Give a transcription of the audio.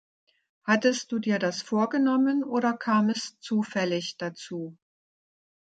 Hattest du dir das vorgenommen, oder kam es zufällig dazu?